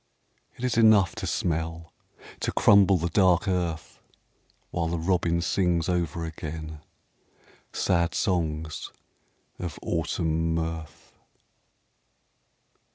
It is enough To smell, to crumble the dark earth. While the robin sings over again Sad songs of Autumn mirth.